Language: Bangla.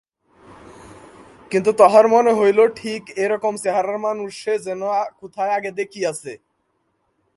কিন্তু তহার মনে হইল ঠিক এইরকম চেহারার মানুষ সে যেন কোথায় আগে দেখিয়াছে।